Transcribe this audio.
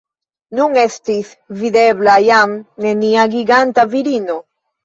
Nun estis videbla jam nenia giganta virino.